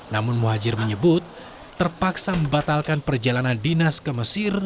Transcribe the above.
namun muhajir menyebut terpaksa membatalkan perjalanan dinas ke mesir